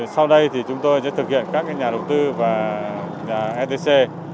sau đây chúng tôi sẽ thực hiện các nhà đầu tư và nhà etc